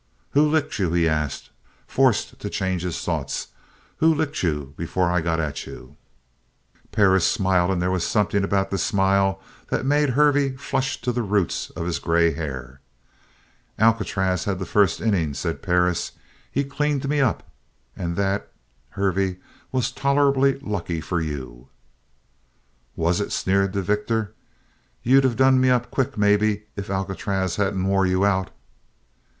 "Who licked you?" he asked, forced to change his thoughts. "Who licked you before I got at you?" Perris smiled, and there was something about the smile that made Hervey flush to the roots of his grey hair. "Alcatraz had the first innings," said Perris. "He cleaned me up. And that, Hervey, was tolerably lucky for you." "Was it?" sneered the victor. "You'd of done me up quick, maybe, if Alcatraz hadn't wore you out?"